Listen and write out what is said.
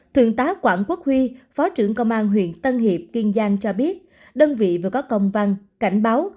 thượng tá quảng quốc huy phó trưởng công an huyện tân hiệp kiên giang cho biết đơn vị vừa có công văn cảnh báo